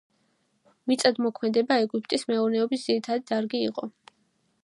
მიწადმოქმედება ეგვიპტის მეურნეობის ძირითადი დარგი იყო